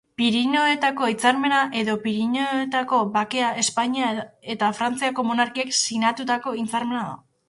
Pirinioetako Hitzarmena, edo Pirinioetako Bakea, Espainia eta Frantziako monarkiek sinatutako hitzarmena da.